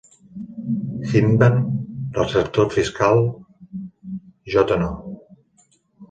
Hindman, Receptor Fiscal Jno.